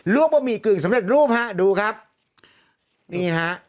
ลวกบะหมี่เกลืองสำเร็จรูปฮะดูครับนี่นะฮะ